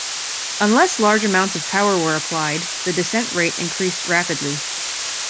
Unless large amounts of power were applied, the descent rate increased rapidly.